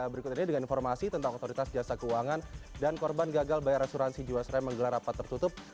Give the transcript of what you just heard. berikut ini dengan informasi tentang otoritas jasa keuangan dan korban gagal bayar asuransi jiwasraya menggelar rapat tertutup